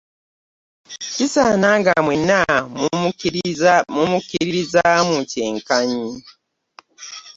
Kisaana nga mwenna mumukkiririzaamu kyenkanyi.